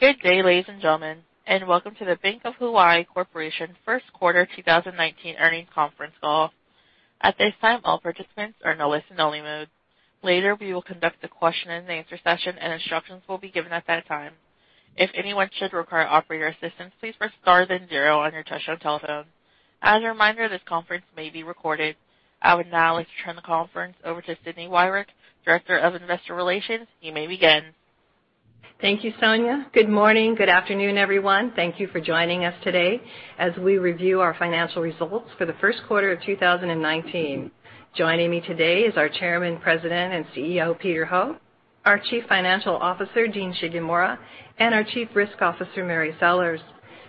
Good day, ladies and gentlemen, welcome to the Bank of Hawaii Corporation first quarter 2019 earnings conference call. At this time, all participants are in listen only mode. Later, we will conduct a question and answer session and instructions will be given at that time. If anyone should require operator assistance, please press star then zero on your touch-tone telephone. As a reminder, this conference may be recorded. I would now like to turn the conference over to Cindy Wyrick, Director of Investor Relations. You may begin. Thank you, Sonia. Good morning. Good afternoon, everyone. Thank you for joining us today as we review our financial results for the first quarter of 2019. Joining me today is our Chairman, President, and CEO, Peter Ho, our Chief Financial Officer, Dean Shigemura, and our Chief Risk Officer, Mary Sellers.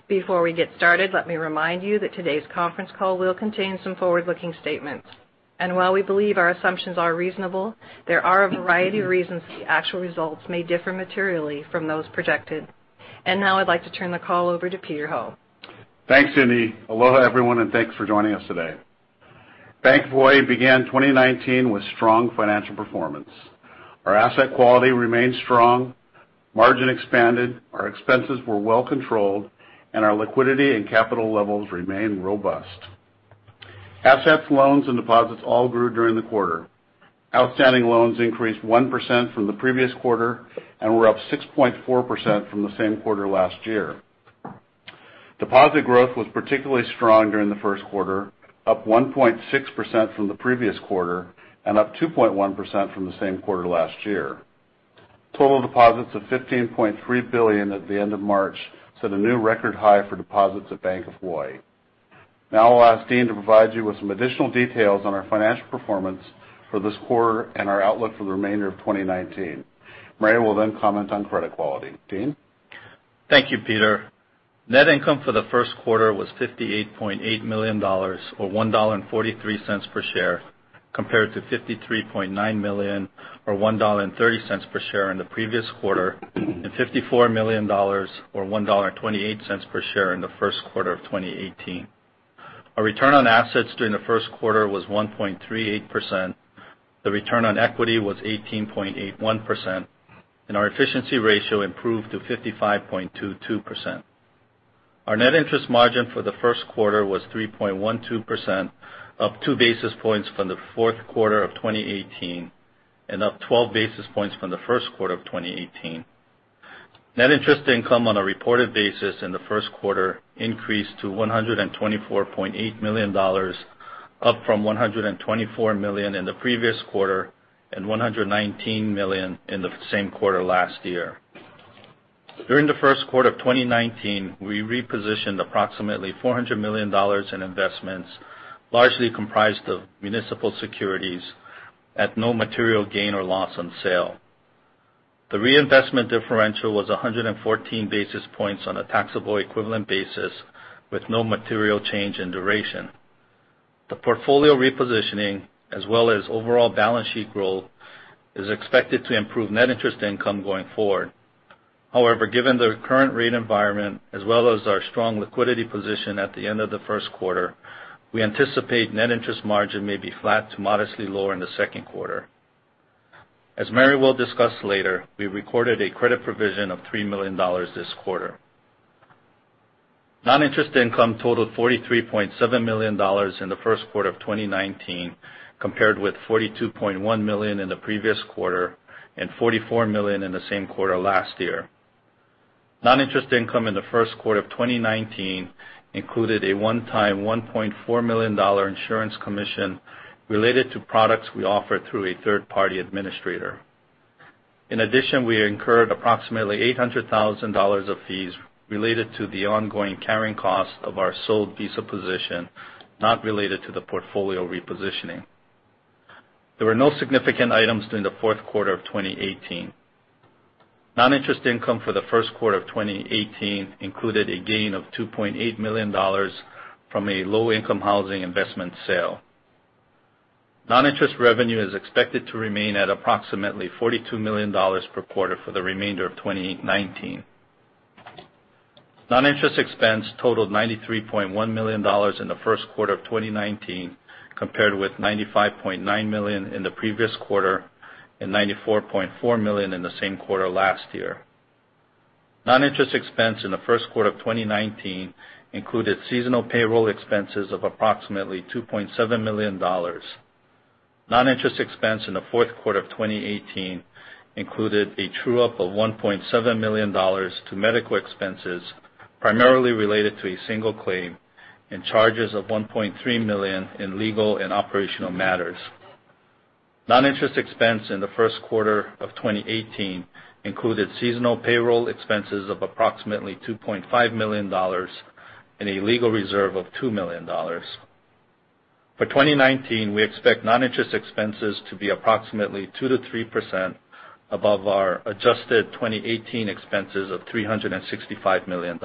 Before we get started, let me remind you that today's conference call will contain some forward-looking statements. While we believe our assumptions are reasonable, there are a variety of reasons the actual results may differ materially from those projected. Now I'd like to turn the call over to Peter Ho. Thanks, Cindy. Aloha, everyone, thanks for joining us today. Bank of Hawaii began 2019 with strong financial performance. Our asset quality remained strong, margin expanded, our expenses were well controlled, our liquidity and capital levels remained robust. Assets, loans, and deposits all grew during the quarter. Outstanding loans increased 1% from the previous quarter and were up 6.4% from the same quarter last year. Deposit growth was particularly strong during the first quarter, up 1.6% from the previous quarter and up 2.1% from the same quarter last year. Total deposits of $15.3 billion at the end of March set a new record high for deposits at Bank of Hawaii. I'll ask Dean to provide you with some additional details on our financial performance for this quarter and our outlook for the remainder of 2019. Mary will then comment on credit quality. Dean? Thank you, Peter. Net income for the first quarter was $58.8 million, or $1.43 per share, compared to $53.9 million, or $1.30 per share in the previous quarter, $54 million or $1.28 per share in the first quarter of 2018. Our return on assets during the first quarter was 1.38%, the return on equity was 18.81%, our efficiency ratio improved to 55.22%. Our net interest margin for the first quarter was 3.12%, up two basis points from the fourth quarter of 2018, up 12 basis points from the first quarter of 2018. Net interest income on a reported basis in the first quarter increased to $124.8 million, up from $124 million in the previous quarter and $119 million in the same quarter last year. During the first quarter of 2019, we repositioned approximately $400 million in investments, largely comprised of municipal securities, at no material gain or loss on sale. The reinvestment differential was 114 basis points on a taxable equivalent basis, with no material change in duration. The portfolio repositioning, as well as overall balance sheet growth, is expected to improve net interest income going forward. Given the current rate environment as well as our strong liquidity position at the end of the first quarter, we anticipate net interest margin may be flat to modestly lower in the second quarter. As Mary will discuss later, we recorded a credit provision of $3 million this quarter. Noninterest income totaled $43.7 million in the first quarter of 2019, compared with $42.1 million in the previous quarter and $44 million in the same quarter last year. Noninterest income in the first quarter of 2019 included a one-time $1.4 million insurance commission related to products we offer through a third-party administrator. We incurred approximately $800,000 of fees related to the ongoing carrying cost of our sold Visa position, not related to the portfolio repositioning. There were no significant items during the fourth quarter of 2018. Noninterest income for the first quarter of 2018 included a gain of $2.8 million from a low-income housing investment sale. Noninterest revenue is expected to remain at approximately $42 million per quarter for the remainder of 2019. Noninterest expense totaled $93.1 million in the first quarter of 2019, compared with $95.9 million in the previous quarter and $94.4 million in the same quarter last year. Noninterest expense in the first quarter of 2019 included seasonal payroll expenses of approximately $2.7 million. Noninterest expense in the fourth quarter of 2018 included a true-up of $1.7 million to medical expenses, primarily related to a single claim, and charges of $1.3 million in legal and operational matters. Noninterest expense in the first quarter of 2018 included seasonal payroll expenses of approximately $2.5 million and a legal reserve of $2 million. For 2019, we expect noninterest expenses to be approximately 2%-3% above our adjusted 2018 expenses of $365 million.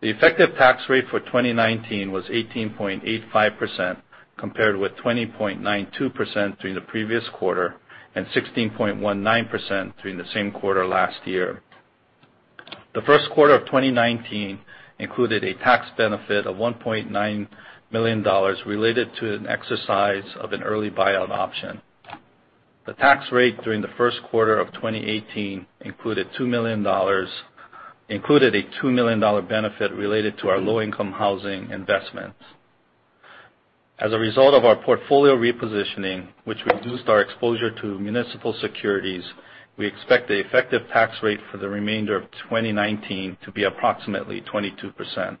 The effective tax rate for 2019 was 18.85%, compared with 20.92% during the previous quarter and 16.19% during the same quarter last year. The first quarter of 2019 included a tax benefit of $1.9 million related to an exercise of an early buyout option. The tax rate during the first quarter of 2018 included a $2 million benefit related to our low-income housing investments. As a result of our portfolio repositioning, which reduced our exposure to municipal securities, we expect the effective tax rate for the remainder of 2019 to be approximately 22%.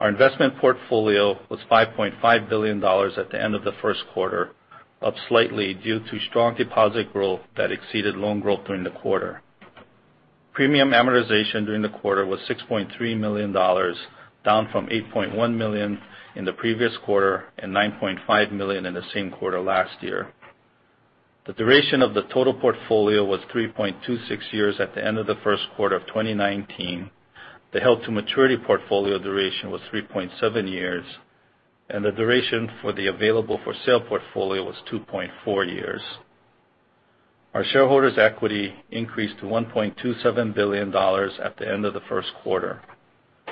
Our investment portfolio was $5.5 billion at the end of the first quarter, up slightly due to strong deposit growth that exceeded loan growth during the quarter. Premium amortization during the quarter was $6.3 million, down from $8.1 million in the previous quarter and $9.5 million in the same quarter last year. The duration of the total portfolio was 3.26 years at the end of the first quarter of 2019. The held-to-maturity portfolio duration was 3.7 years, and the duration for the available-for-sale portfolio was 2.4 years. Our shareholders' equity increased to $1.27 billion at the end of the first quarter.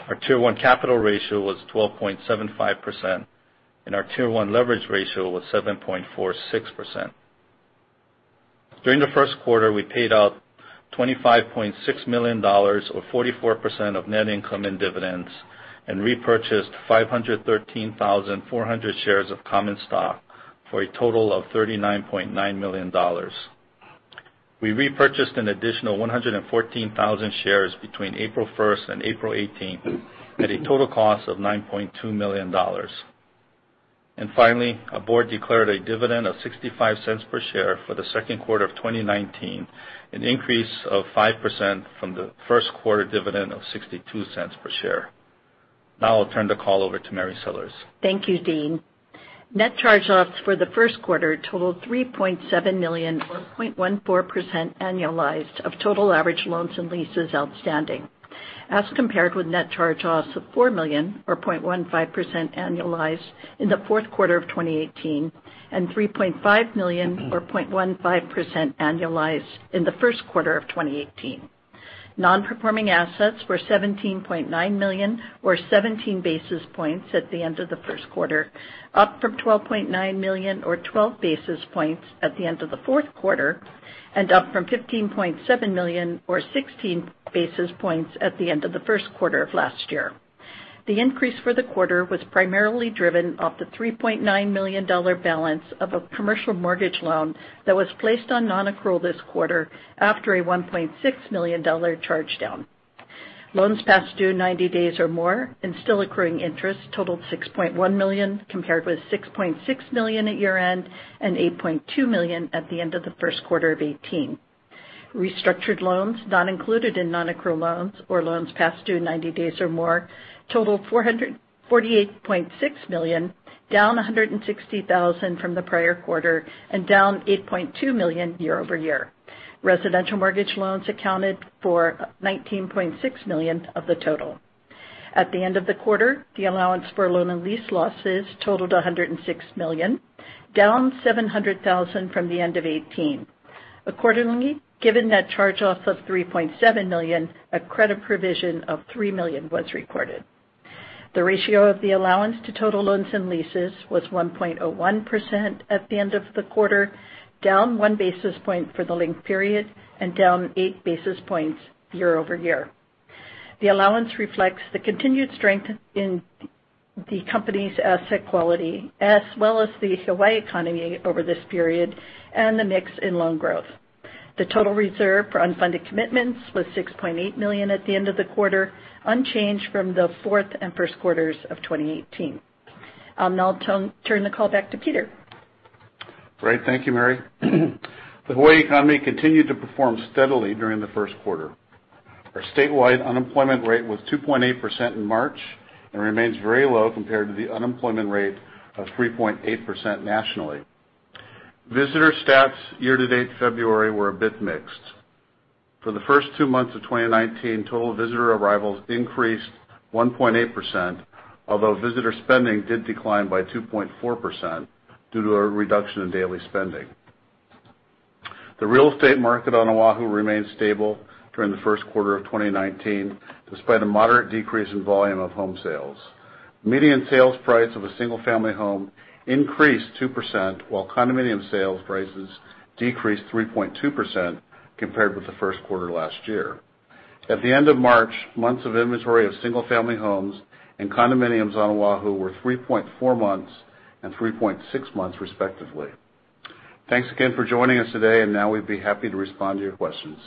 Our Tier 1 capital ratio was 12.75%, and our Tier 1 leverage ratio was 7.46%. During the first quarter, we paid out $25.6 million, or 44% of net income in dividends, and repurchased 513,400 shares of common stock for a total of $39.9 million. We repurchased an additional 114,000 shares between April 1st and April 18th at a total cost of $9.2 million. Finally, our board declared a dividend of $0.65 per share for the second quarter of 2019, an increase of 5% from the first-quarter dividend of $0.62 per share. Now I'll turn the call over to Mary Sellers. Thank you, Dean. Net charge-offs for the first quarter totaled $3.7 million, or 0.14% annualized of total average loans and leases outstanding, as compared with net charge-offs of $4 million, or 0.15% annualized, in the fourth quarter of 2018 and $3.5 million, or 0.15% annualized, in the first quarter of 2018. Non-performing assets were $17.9 million or 17 basis points at the end of the first quarter, up from $12.9 million or 12 basis points at the end of the fourth quarter, and up from $15.7 million or 16 basis points at the end of the first quarter of last year. The increase for the quarter was primarily driven off the $3.9 million balance of a commercial mortgage loan that was placed on nonaccrual this quarter after a $1.6 million charge-down. Loans past due 90 days or more and still accruing interest totaled $6.1 million, compared with $6.6 million at year-end and $8.2 million at the end of the first quarter of 2018. Restructured loans, not included in nonaccrual loans or loans past due 90 days or more, totaled $48.6 million, down $160,000 from the prior quarter and down $8.2 million year-over-year. Residential mortgage loans accounted for $19.6 million of the total. At the end of the quarter, the allowance for loan and lease losses totaled $106 million, down $700,000 from the end of 2018. Accordingly, given net charge-offs of $3.7 million, a credit provision of $3 million was recorded. The ratio of the allowance to total loans and leases was 1.01% at the end of the quarter, down one basis point for the linked period and down eight basis points year-over-year. The allowance reflects the continued strength in the company's asset quality, as well as the Hawaii economy over this period and the mix in loan growth. The total reserve for unfunded commitments was $6.8 million at the end of the quarter, unchanged from the fourth and first quarters of 2018. I'll now turn the call back to Peter. Great. Thank you, Mary. The Hawaii economy continued to perform steadily during the first quarter. Our statewide unemployment rate was 2.8% in March and remains very low compared to the unemployment rate of 3.8% nationally. Visitor stats year to date February were a bit mixed. For the first two months of 2019, total visitor arrivals increased 1.8%, although visitor spending did decline by 2.4% due to a reduction in daily spending. The real estate market on Oahu remained stable during the first quarter of 2019, despite a moderate decrease in volume of home sales. Median sales price of a single-family home increased 2%, while condominium sales prices decreased 3.2% compared with the first quarter last year. At the end of March, months of inventory of single-family homes and condominiums on Oahu were 3.4 months and 3.6 months, respectively. Thanks again for joining us today. Now we'd be happy to respond to your questions.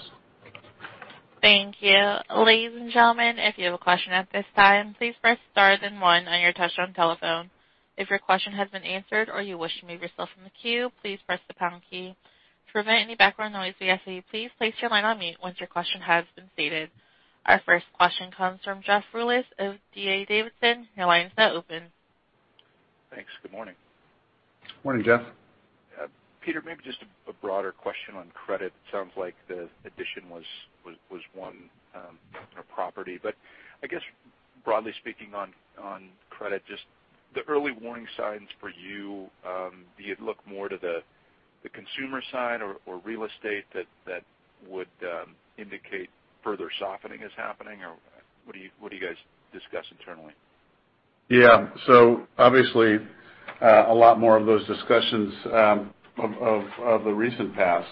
Thank you. Ladies and gentlemen, if you have a question at this time, please press star then one on your touchtone telephone. If your question has been answered or you wish to remove yourself from the queue, please press the pound key. To prevent any background noise, we ask that you please place your line on mute once your question has been stated. Our first question comes from Jeff Rulis of D.A. Davidson. Your line is now open. Thanks. Good morning. Morning, Jeff. Peter, maybe just a broader question on credit. It sounds like the addition was one property. I guess broadly speaking on credit, just the early warning signs for you, do you look more to the consumer side or real estate that would indicate further softening is happening? What do you guys discuss internally? Obviously, a lot more of those discussions of the recent past.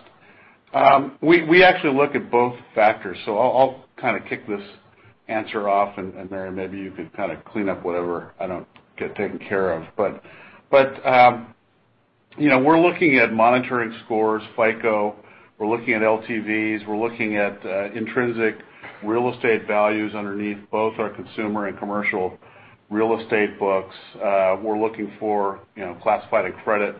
We actually look at both factors. I'll kind of kick this answer off, and Mary, maybe you could kind of clean up whatever I don't get taken care of. We're looking at monitoring scores, FICO, we're looking at LTVs, we're looking at intrinsic real estate values underneath both our consumer and commercial real estate books. We're looking for classified and credit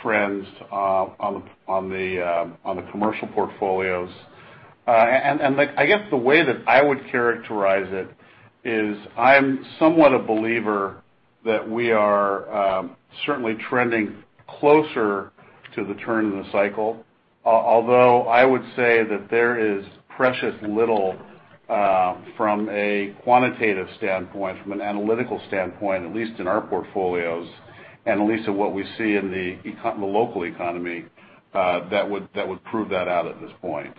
trends on the commercial portfolios. I guess the way that I would characterize it is I'm somewhat a believer that we are certainly trending closer to the turn in the cycle. Although I would say that there is precious little from a quantitative standpoint, from an analytical standpoint, at least in our portfolios, and at least in what we see in the local economy, that would prove that out at this point.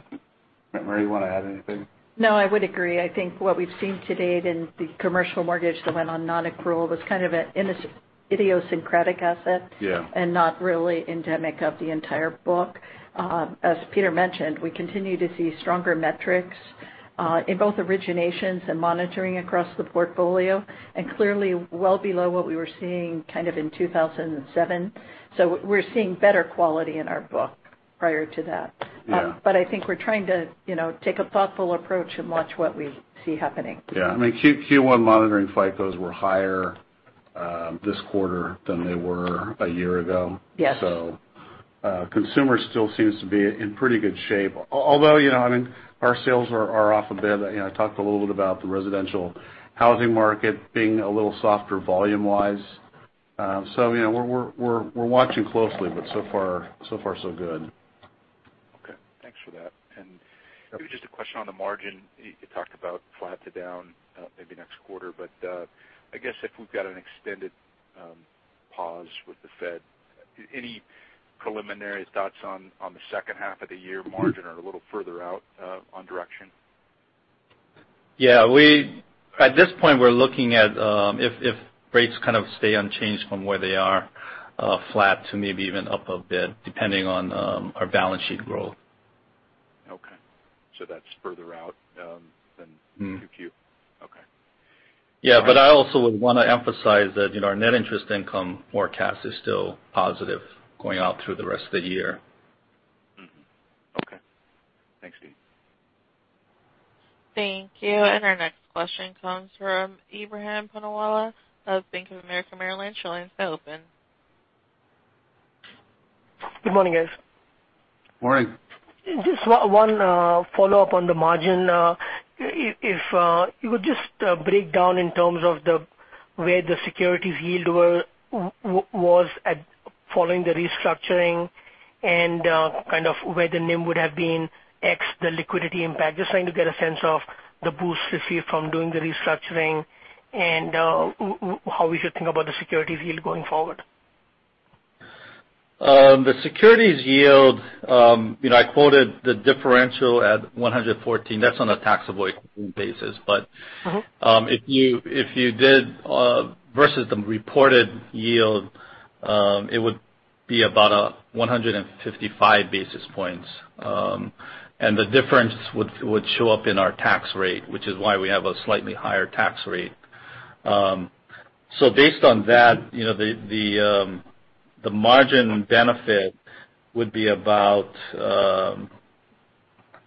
Mary, you want to add anything? No, I would agree. I think what we've seen to date in the commercial mortgage that went on nonaccrual was kind of an idiosyncratic asset- Yeah Not really endemic of the entire book. As Peter mentioned, we continue to see stronger metrics, in both originations and monitoring across the portfolio, and clearly well below what we were seeing kind of in 2007. We're seeing better quality in our book prior to that. Yeah. I think we're trying to take a thoughtful approach and watch what we see happening. Yeah. Q1 monitoring FICOs were higher this quarter than they were a year ago. Yes. Consumer still seems to be in pretty good shape. Although our sales are off a bit. I talked a little bit about the residential housing market being a little softer volume wise. We're watching closely, but so far so good. Okay. Thanks for that. Maybe just a question on the margin. You talked about flat to down maybe next quarter, but I guess if we've got an extended pause with the Fed, any preliminary thoughts on the second half of the year margin or a little further out on direction? Yeah. At this point, we're looking at if rates kind of stay unchanged from where they are, flat to maybe even up a bit depending on our balance sheet growth. Okay. That's further out than 2Q? Okay. Yeah. I also would want to emphasize that our net interest income forecast is still positive going out through the rest of the year. Mm-hmm. Okay. Thanks, Dean. Thank you. Our next question comes from Ebrahim Poonawala of Bank of America Merrill Lynch. Your line's now open. Good morning, guys. Morning. Just one follow-up on the margin. If you would just break down in terms of where the securities yield was at following the restructuring and kind of where the NIM would have been, x the liquidity impact. Just trying to get a sense of the boost received from doing the restructuring and how we should think about the securities yield going forward. The securities yield, I quoted the differential at 114. That's on a taxable equivalent basis. If you did versus the reported yield, it would be about a 155 basis points. The difference would show up in our tax rate, which is why we have a slightly higher tax rate. Based on that, the margin benefit would be about,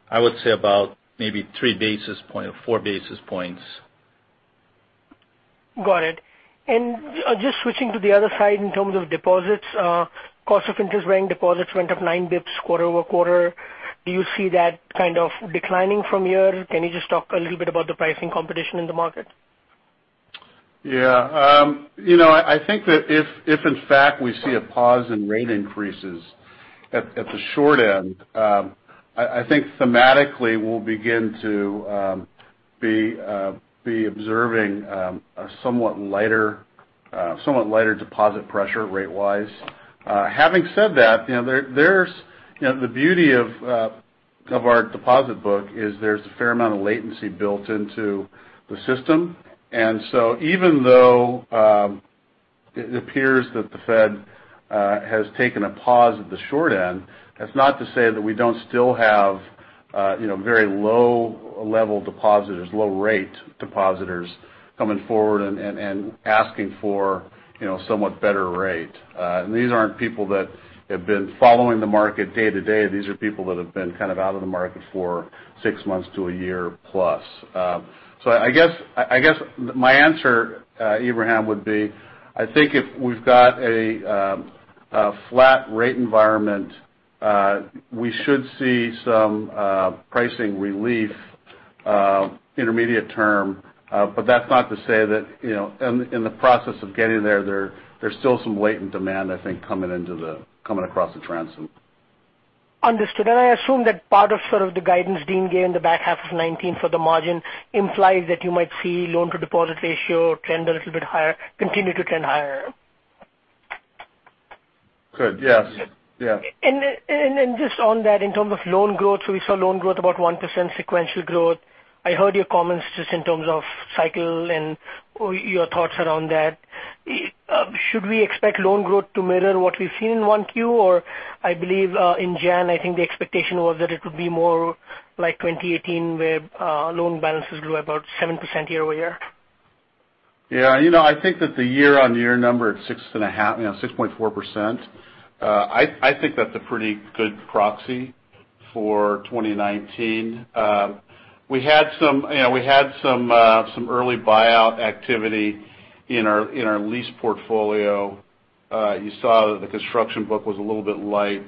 I would say about maybe three basis point or four basis points. Got it. Just switching to the other side in terms of deposits. Cost of interest bearing deposits went up nine basis points quarter-over-quarter. Do you see that kind of declining from here? Can you just talk a little bit about the pricing competition in the market? Yeah. I think that if in fact we see a pause in rate increases at the short end, I think thematically we'll begin to be observing a somewhat lighter deposit pressure rate-wise. Having said that, the beauty of our deposit book is there's a fair amount of latency built into the system. Even though it appears that the Fed has taken a pause at the short end, that's not to say that we don't still have very low-level depositors, low-rate depositors coming forward and asking for somewhat better rate. These aren't people that have been following the market day to day. These are people that have been kind of out of the market for six months to a year plus. I guess my answer, Ebrahim, would be, I think if we've got a flat rate environment, we should see some pricing relief intermediate term. That's not to say that in the process of getting there's still some latent demand, I think, coming across the transom. Understood. I assume that part of sort of the guidance Dean gave in the back half of 2019 for the margin implies that you might see loan-to-deposit ratio trend a little bit higher, continue to trend higher. Good. Yes Just on that, in terms of loan growth, we saw loan growth about 1% sequential growth. I heard your comments just in terms of cycle and your thoughts around that. Should we expect loan growth to mirror what we've seen in 1Q, or I believe, in January, I think the expectation was that it would be more like 2018, where loan balances grew about 7% year-over-year. Yeah. I think that the year-on-year number at 6.4%, I think that's a pretty good proxy for 2019. We had some early buyout activity in our lease portfolio. You saw that the construction book was a little bit light.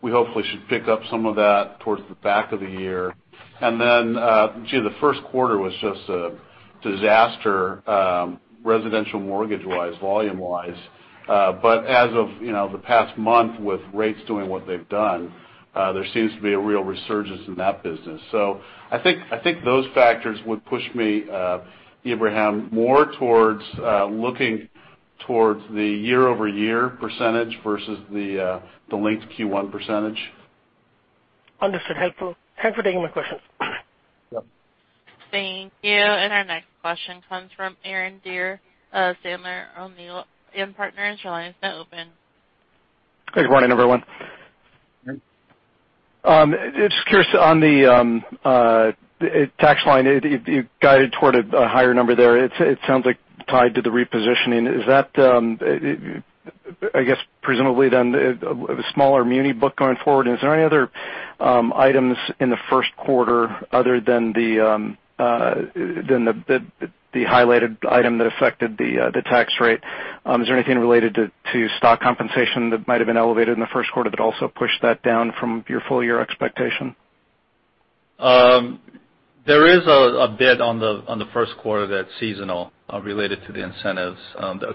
We hopefully should pick up some of that towards the back of the year. Gee, the first quarter was just a disaster, residential mortgage-wise, volume-wise. As of the past month with rates doing what they've done, there seems to be a real resurgence in that business. I think those factors would push me, Ebrahim, more towards looking towards the year-over-year percentage versus the linked Q1 percentage. Understood. Helpful. Thanks for taking my questions. Yep. Thank you. Our next question comes from Aaron Deer, Sandler O'Neill + Partners. Your line is now open. Good morning, everyone. Aaron. Curious on the tax line, you guided toward a higher number there. It sounds like tied to the repositioning. I guess presumably, a smaller muni book going forward. Is there any other items in the first quarter other than the highlighted item that affected the tax rate? Is there anything related to stock compensation that might have been elevated in the first quarter that also pushed that down from your full year expectation? There is a bit on the first quarter that's seasonal related to the incentives, the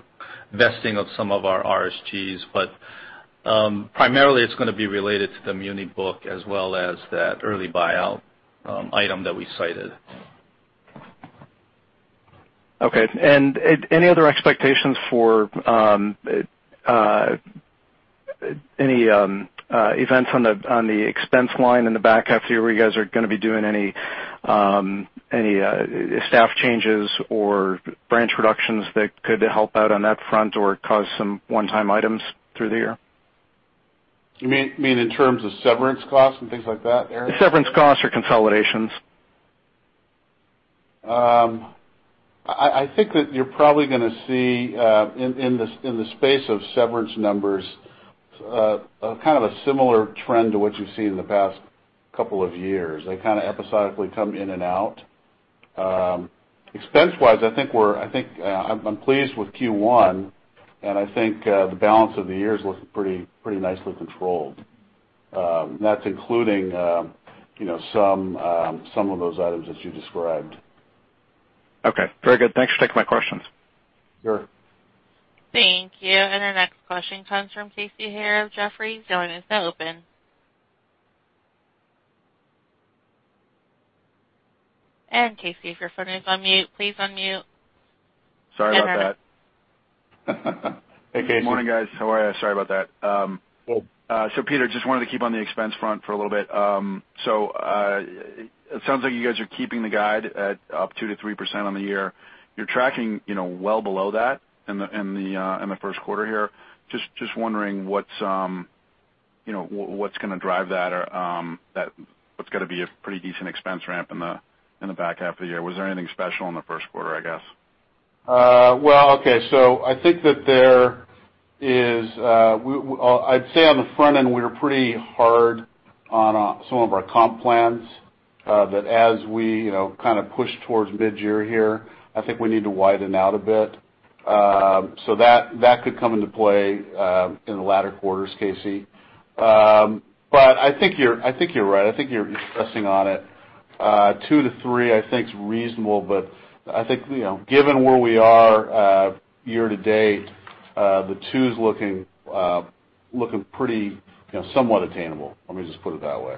vesting of some of our RSUs. Primarily, it's going to be related to the muni book as well as that early buyout item that we cited. Okay. Any other expectations for any events on the expense line in the back half of the year where you guys are going to be doing any staff changes or branch reductions that could help out on that front or cause some one-time items through the year? You mean in terms of severance costs and things like that, Aaron? Severance costs or consolidations. I think that you're probably going to see in the space of severance numbers kind of a similar trend to what you've seen in the past couple of years. They kind of episodically come in and out. Expense-wise, I'm pleased with Q1, and I think the balance of the year is looking pretty nicely controlled. That's including some of those items that you described. Okay. Very good. Thanks for taking my questions. Sure. Thank you. Our next question comes from Casey Haire of Jefferies. Your line is now open. Casey, if your phone is on mute, please unmute. Sorry about that. Hey, Casey. Good morning, guys. How are you? Sorry about that. Good. Peter, just wanted to keep on the expense front for a little bit. It sounds like you guys are keeping the guide at up 2%-3% on the year. You're tracking well below that in the first quarter here. Just wondering what's going to drive that. What's going to be a pretty decent expense ramp in the back half of the year? Was there anything special in the first quarter, I guess? Well, okay. I'd say on the front end, we were pretty hard on some of our comp plans. That as we kind of push towards mid-year here, I think we need to widen out a bit. That could come into play in the latter quarters, Casey. I think you're right. I think you're stressing on it. Two to three I think is reasonable, but I think given where we are year to date, the two's looking somewhat attainable. Let me just put it that way.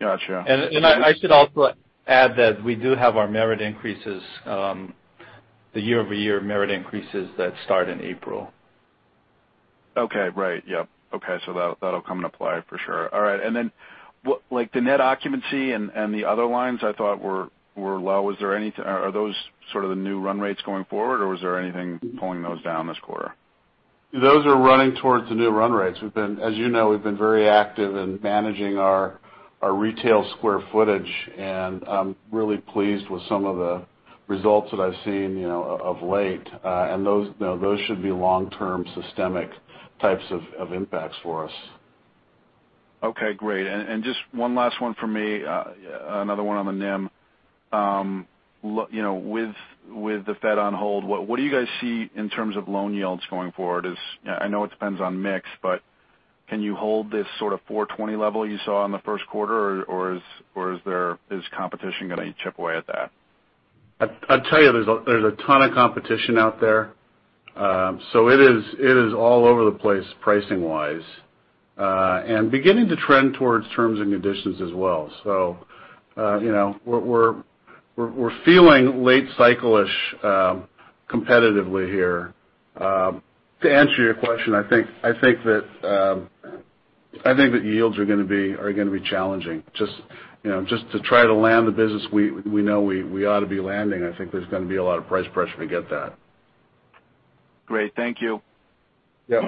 Gotcha. I should also add that we do have our merit increases, the year-over-year merit increases that start in April. Okay. Right. Yep. Okay. That'll come into play for sure. All right. Then like the net occupancy and the other lines I thought were low. Are those sort of the new run rates going forward, or was there anything pulling those down this quarter? Those are running towards the new run rates. As you know, we've been very active in managing our retail square footage, and I'm really pleased with some of the results that I've seen of late. Those should be long-term systemic types of impacts for us. Okay, great. Just one last one from me, another one on the NIM. With the Fed on hold, what do you guys see in terms of loan yields going forward? I know it depends on mix, but can you hold this sort of 420 level you saw in the first quarter, or is competition going to chip away at that? I'll tell you, there's a ton of competition out there. It is all over the place pricing wise, and beginning to trend towards terms and conditions as well. We're feeling late cycle-ish competitively here. To answer your question, I think that yields are going to be challenging. Just to try to land the business we know we ought to be landing, I think there's going to be a lot of price pressure to get that. Great. Thank you. Yep.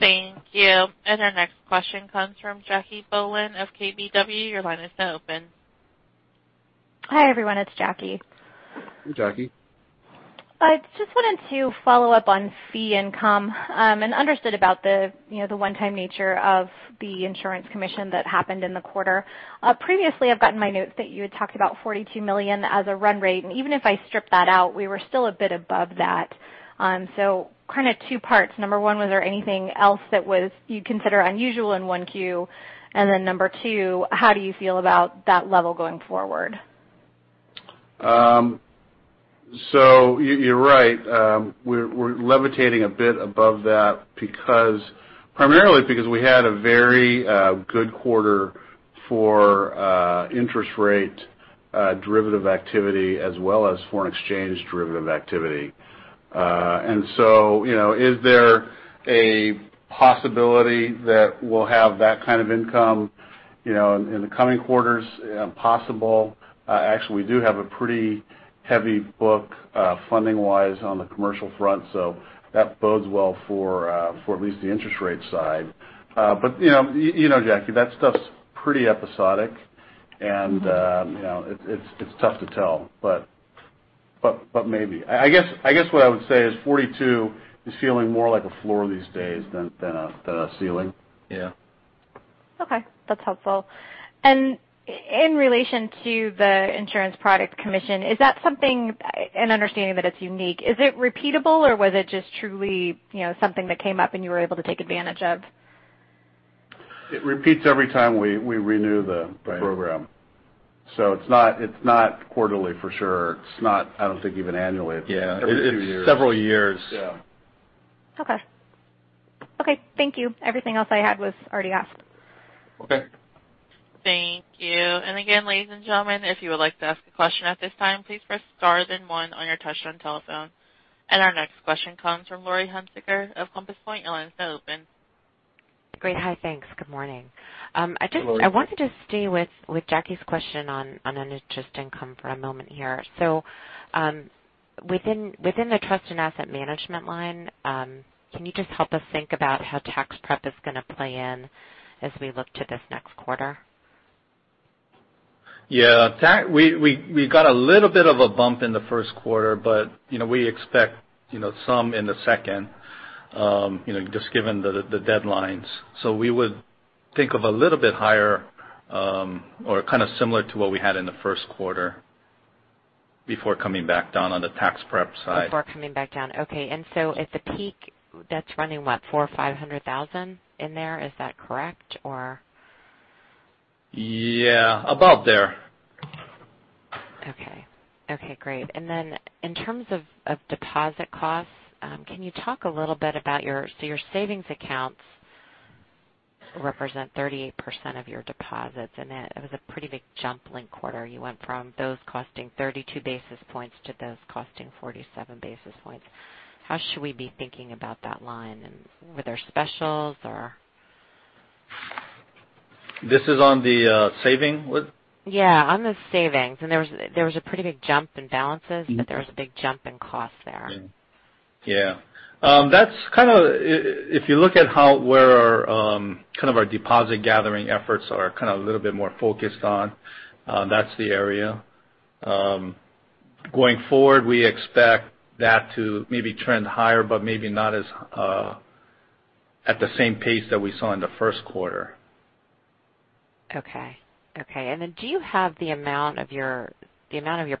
Thank you. Our next question comes from Jacquelynne Bohlen of KBW. Your line is now open. Hi, everyone. It's Jackie. Hi, Jackie. I just wanted to follow up on fee income, and understood about the one-time nature of the insurance commission that happened in the quarter. Previously, I've got in my notes that you had talked about $42 million as a run rate, and even if I strip that out, we were still a bit above that. Kind of two parts. Number 1, was there anything else that you'd consider unusual in 1Q? Number 2, how do you feel about that level going forward? You're right. We're levitating a bit above that primarily because we had a very good quarter for interest rate derivative activity as well as foreign exchange derivative activity. Is there a possibility that we'll have that kind of income in the coming quarters? Possible. Actually, we do have a pretty heavy book funding wise on the commercial front, so that bodes well for at least the interest rate side. You know Jackie, that stuff's pretty episodic and it's tough to tell, but maybe. I guess what I would say is 42 is feeling more like a floor these days than a ceiling. Yeah. Okay, that's helpful. In relation to the insurance product commission, is that something, and understanding that it's unique, is it repeatable or was it just truly something that came up and you were able to take advantage of? It repeats every time we renew the program. Right. It's not quarterly for sure. It's not, I don't think even annually. Yeah. Every few years. It's several years. Yeah. Okay. Thank you. Everything else I had was already asked. Okay. Thank you. Again, ladies and gentlemen, if you would like to ask a question at this time, please press star then one on your touchtone telephone. Our next question comes from Laurie Hunsicker of Compass Point. Your line is now open. Great. Hi, thanks. Good morning. Laurie. I wanted to stay with Jackie's question on net interest income for a moment here. Within the trust and asset management line, can you just help us think about how tax prep is going to play in as we look to this next quarter? Yeah. We got a little bit of a bump in the first quarter, but we expect some in the second, just given the deadlines. We would think of a little bit higher, or kind of similar to what we had in the first quarter before coming back down on the tax prep side. Before coming back down. Okay. At the peak, that's running what, $400,000 or $500,000 in there? Is that correct, or? Yeah. About there. Okay. Great. Then in terms of deposit costs, can you talk a little bit about your savings accounts represent 38% of your deposits, and it was a pretty big jump linked quarter. You went from those costing 32 basis points to those costing 47 basis points. How should we be thinking about that line and were there specials or? This is on the saving? What? Yeah, on the savings. There was a pretty big jump in balances, there was a big jump in cost there. Yeah. If you look at where our kind of our deposit gathering efforts are kind of a little bit more focused on, that's the area. Going forward, we expect that to maybe trend higher, but maybe not at the same pace that we saw in the first quarter. Okay. Do you have the amount of your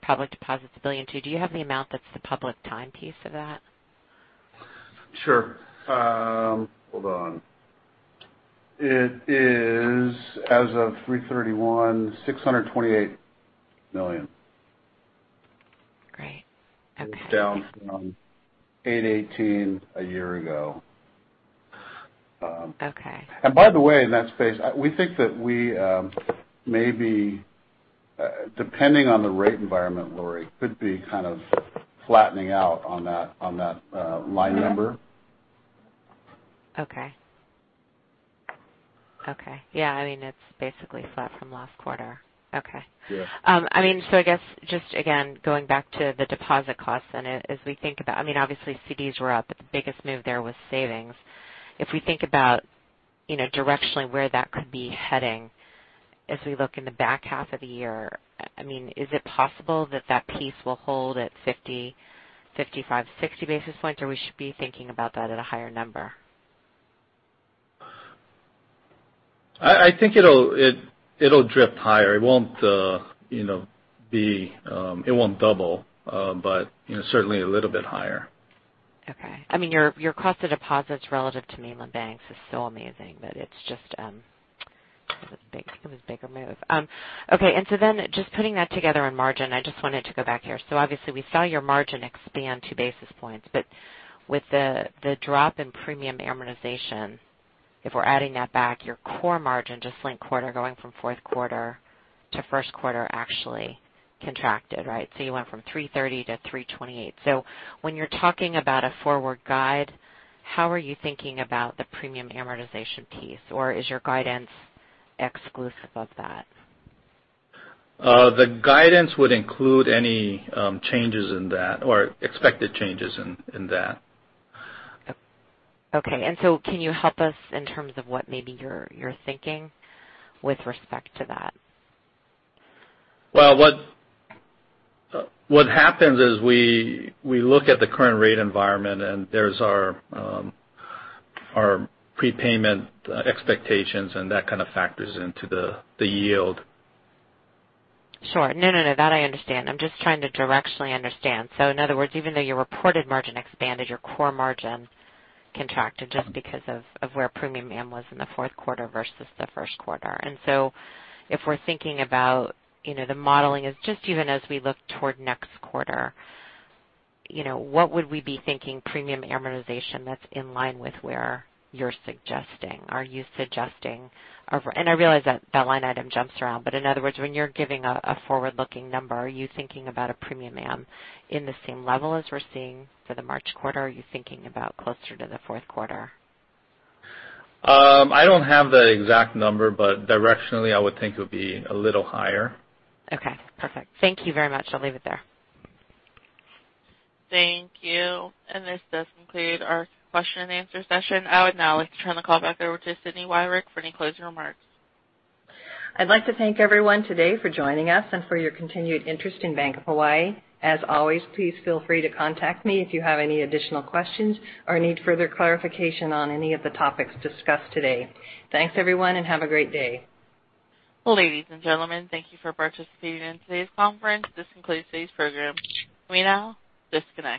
public deposits, the $1.2 billion, do you have the amount that's the public time piece of that? Sure. Hold on. It is, as of 03/31, $628 million. Great. Okay. It's down from 818 a year ago. Okay. By the way, in that space, we think that we may be, depending on the rate environment, Laurie, could be kind of flattening out on that line number. Okay. Yeah, I mean, it's basically flat from last quarter. Okay. Yeah. I guess, just again, going back to the deposit costs then, as we think about I mean, obviously CDs were up, but the biggest move there was savings. If we think about directionally where that could be heading as we look in the back half of the year, is it possible that that piece will hold at 50, 55, 60 basis points, or we should be thinking about that at a higher number? I think it'll drift higher. It won't double. Certainly a little bit higher. I mean, your cost of deposits relative to mainland banks is so amazing that it's just. Big payments, bigger move. Just putting that together on margin, I just wanted to go back here. Obviously we saw your margin expand two basis points, but with the drop in premium amortization, if we're adding that back, your core margin, just linked quarter going from fourth quarter to first quarter, actually contracted, right? You went from 3.30%-3.28%. When you're talking about a forward guide, how are you thinking about the premium amortization piece, or is your guidance exclusive of that? The guidance would include any changes in that or expected changes in that. Can you help us in terms of what maybe you're thinking with respect to that? Well, what happens is we look at the current rate environment, and there's our prepayment expectations, and that kind of factors into the yield. Sure. No, that I understand. I'm just trying to directionally understand. In other words, even though your reported margin expanded, your core margin contracted just because of where premium am was in the fourth quarter versus the first quarter. If we're thinking about the modeling, just even as we look toward next quarter, what would we be thinking premium amortization that's in line with where you're suggesting? Are you suggesting I realize that that line item jumps around, but in other words, when you're giving a forward-looking number, are you thinking about a premium am in the same level as we're seeing for the March quarter? Are you thinking about closer to the fourth quarter? I don't have the exact number, but directionally, I would think it would be a little higher. Okay, perfect. Thank you very much. I'll leave it there. Thank you. This does conclude our question and answer session. I would now like to turn the call back over to Cindy Wyrick for any closing remarks. I'd like to thank everyone today for joining us and for your continued interest in Bank of Hawaii. As always, please feel free to contact me if you have any additional questions or need further clarification on any of the topics discussed today. Thanks everyone, and have a great day. Ladies and gentlemen, thank you for participating in today's conference. This concludes today's program. You may now disconnect.